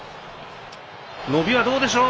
伸びはどうでしょう？